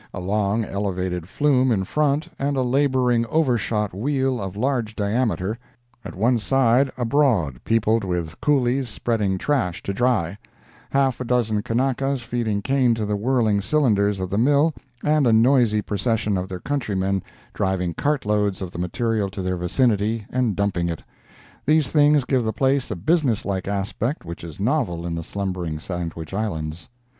A long, elevated flume in front, and a laboring overshot wheel of large diameter; at one side a broad peopled with Coolies spreading "trash" to dry; half a dozen Kanakas feeding cane to the whirling cylinders of the mill and a noisy procession of their countrymen driving cart loads of the material to their vicinity and dumping it—these things give the place a business like aspect which is novel in the slumbering Sandwich Islands.